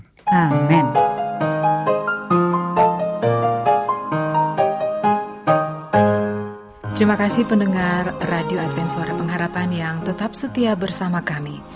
terima kasih pendengar radio adven suara pengharapan yang tetap setia bersama kami